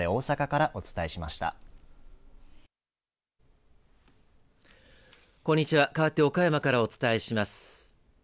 かわって岡山からお伝えします。